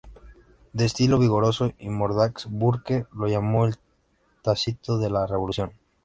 De estilo vigoroso y mordaz, Burke lo llamó "el Tácito de la Revolución".